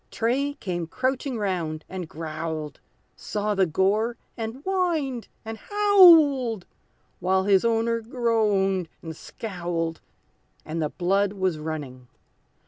Tray came crouching round, and growled, Saw the gore, and whined, and howled, While his owner groaned and scowled, And the blood was running.